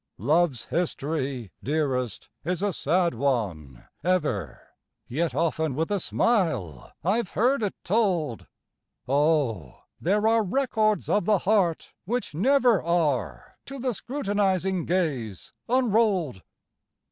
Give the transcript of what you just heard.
Love's history, dearest, is a sad one ever, Yet often with a smile I've heard it told! Oh, there are records of the heart which never Are to the scrutinizing gaze unrolled!